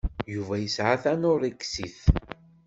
Yuba yesɛa tanuṛiksit.